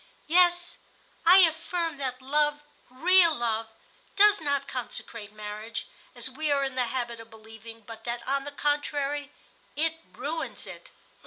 "Yes, I affirm that love, real love, does not consecrate marriage, as we are in the habit of believing, but that, on the contrary, it ruins it."